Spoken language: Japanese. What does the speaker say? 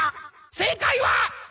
正解は。